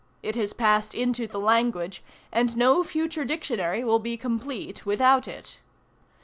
It has passed into the language, and no future dictionary will be complete without it.